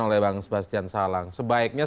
oleh bang sebastian salang sebaiknya